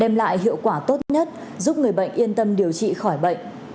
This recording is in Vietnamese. đem lại hiệu quả tốt nhất giúp người bệnh yên tâm điều trị khỏi bệnh